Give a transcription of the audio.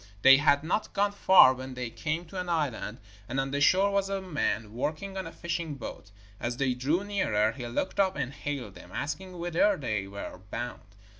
They had not gone far when they came to an island, and on the shore was a man working on a fishing boat. As they drew nearer he looked up and hailed them, asking whither they were bound.